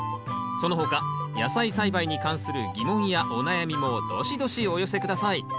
その他野菜栽培に関する疑問やお悩みもどしどしお寄せ下さい。